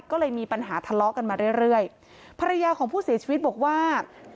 ก็เลยมีปัญหาทะเลาะกันมาเรื่อยเรื่อยภรรยาของผู้เสียชีวิตบอกว่า